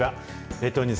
列島ニュース